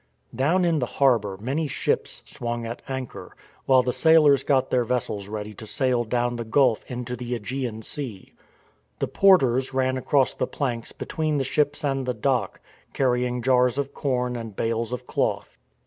Down in the harbour many ships swung at anchor, while the sailors got their vessels ready to sail down the gulf into the ^Egean Sea. The porters ran across the planks between the ships and the dock, carrying jars of corn and bales of cloth.